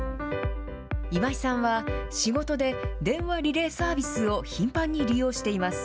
今井さんは、仕事で電話リレーサービスを頻繁に利用しています。